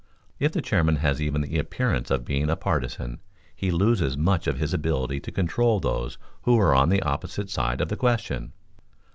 If the chairman has even the appearance of being a partisan, he loses much of his ability to control those who are on the opposite side of the question.